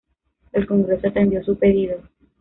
El Congreso atendió su pedido.